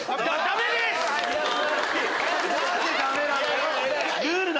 何でダメなのよ